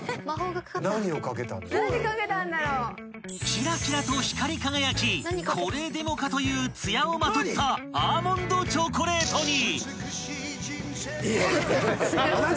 ［キラキラと光り輝きこれでもかという艶をまとったアーモンドチョコレートに］